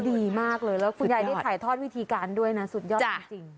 ดีมากเลยแล้วคุณยายได้ถ่ายทอดวิธีการด้วยนะสุดยอดจริง